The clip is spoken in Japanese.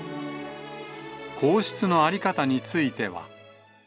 皇室の在り方については。